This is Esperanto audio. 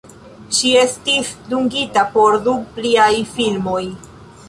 Ŝi estis dungita por du pliaj filmoj.